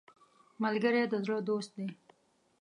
ملګری د زړه دوست دی